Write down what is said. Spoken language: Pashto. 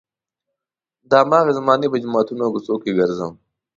د هماغې زمانې په جوماتونو او کوڅو کې ګرځم.